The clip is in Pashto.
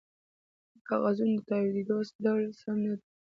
د کاغذونو د تاویدو ډول سم نه دی